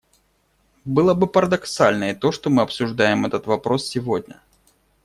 Было бы парадоксально и то, что мы обсуждаем этот вопрос сегодня.